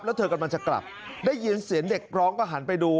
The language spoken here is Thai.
แล้วเธอกำลังจะกลับได้ยินเสียงเด็กร้องก็หันไปดู